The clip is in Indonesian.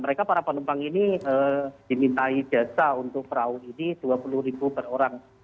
mereka para penumpang ini dimintai jasa untuk perahu ini dua puluh ribu per orang